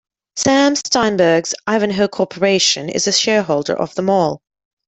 Sam Steinberg's Ivanhoe Corporation is a shareholder of the mall.